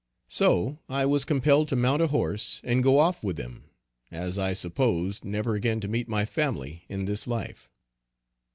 So I was compelled to mount a horse and go off with them as I supposed, never again to meet my family in this life.